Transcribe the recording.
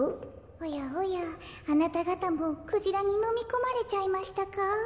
おやおやあなたがたもクジラにのみこまれちゃいましたか？